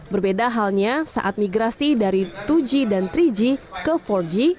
berbeda halnya saat migrasi dari dua g dan tiga g ke empat g